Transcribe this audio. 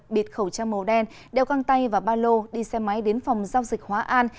bịt khẩu trang màu đen đeo căng tay và ba lô đi xe máy đến phòng giao dịch hóa an